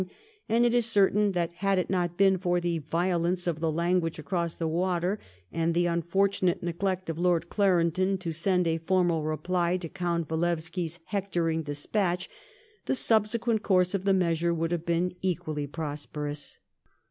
99, and it is certain that had it not been for the v\o<^ lence of the language aorosB the water, and the an* fortunate neglect of Lord Clarendon to send a formal reply to Count Walewski's hectoring despatch, the subsequent course of the measure would have been equally prosperous.